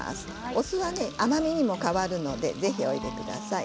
お酢は甘みにも変わりますのでぜひ入れてください。